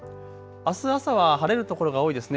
あす朝は晴れる所が多いですね。